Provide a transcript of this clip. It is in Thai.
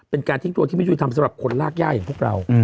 เป็นการทิ้งตัวที่ไม่ยุติธรรมสำหรับคนรากย่าอย่างพวกเรา